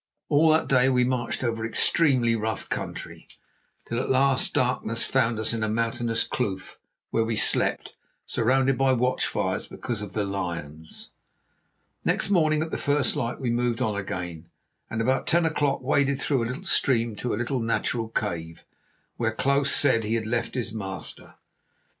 All that day we marched over extremely rough country, till at last darkness found us in a mountainous kloof, where we slept, surrounded by watch fires because of the lions. Next morning at the first light we moved on again, and about ten o'clock waded through a stream to a little natural cave, where Klaus said he had left his master.